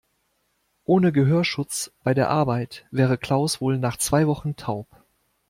Ohne Gehörschutz bei der Arbeit wäre Klaus wohl nach zwei Wochen taub.